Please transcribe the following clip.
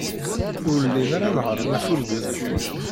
Ur llin ara nehhṛen afurgu-nni.